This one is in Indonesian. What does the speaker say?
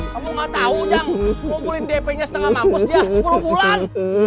kamu gatau jang mukulin dpnya setengah mampus dia sepuluh bulan